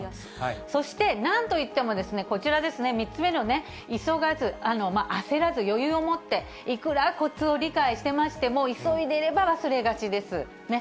そしてなんといってもこちらですね、３つ目の急がず、焦らず、余裕を持って、いくらコツを理解してましても、急いでいれば忘れがちです。